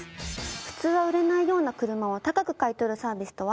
普通は売れないような車を高く買い取るサービスとは？